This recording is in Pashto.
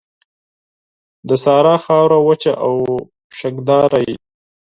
د صحرا خاوره وچه او شګهداره وي.